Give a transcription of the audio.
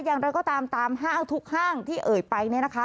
ยังเราก็ตามทุกห้างที่เอ่ยไป